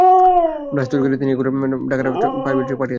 Brush তৈরি করে তিনি এগুলো ঢাকার চকবাজারের পাইকারি বাজারে পাঠিয়ে দেন।